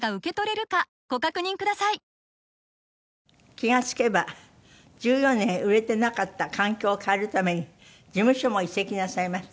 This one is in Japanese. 気が付けば１４年売れてなかった環境を変えるために事務所も移籍なさいました。